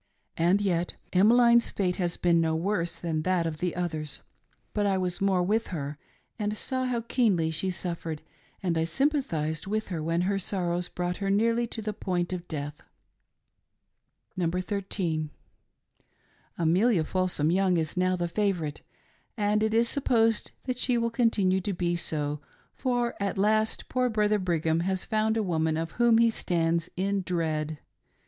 And yet Emmeline's fate has been no worse than that of the others ; but I was more with her, and saw how keenly she suffered, and I sympathised with her when her sorrows brought her nearly to the point of death. AMELIA FOLSOM YOUNG. [Number Thirteen.] Amelia Folsorji Young is now the favorite, and it is sup posed that she will continue to be so, for at last poor Brother Brigham has found a woman of whom he stands in dread.